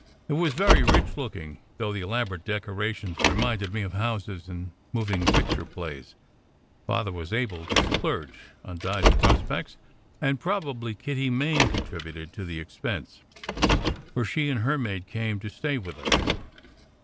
It was very rich looking, though the elaborate decorations re minded me of houses in moving picture plays. Father was able to splurge, on Di s prospects; and probably Kitty Main contributed to the expense, for she and her maid came to stay with us.